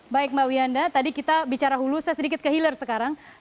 baik mbak wiyanda tadi kita bicara hulu saya sedikit ke hillar sekarang